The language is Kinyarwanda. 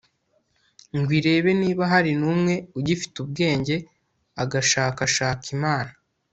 ngo irebe niba hari n'umwe ugifite ubwenge agashakashaka imana